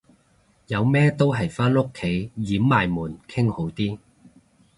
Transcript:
有咩都係返屋企閂埋門傾好啲